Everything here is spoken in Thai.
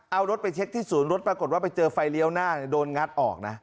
เอารถไปเช็คที่ศูนย์รถปรากฏว่าไปเจอไฟเลี้ยวหน้าโดนงัดออกนะ